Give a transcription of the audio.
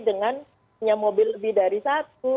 dengan punya mobil lebih dari satu